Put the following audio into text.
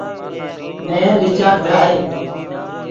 نے ین لیچاک درائے